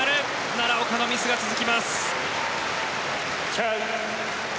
奈良岡のミスが続きます。